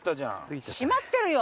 閉まってるよ。